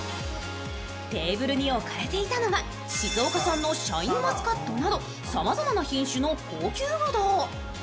テーブルに置かれていたのは静岡産のシャインマスカットなどさまざまな品種の高級ぶどう。